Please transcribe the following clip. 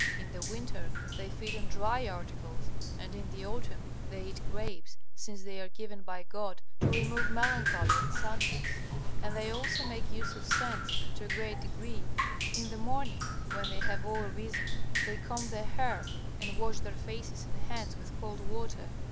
In the winter they feed on dry articles, and in the autumn they eat grapes, since they are given by God to remove melancholy and sadness; and they also make use of scents to a great degree. In the morning, when they have all risen they comb their hair and wash their faces and hands with cold water.